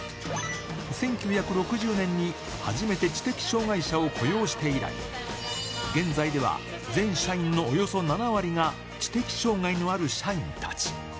１９６０年に初めて知的障がい者を雇用して以来、現在では、全社員のおよそ７割が、知的障がいのある社員たち。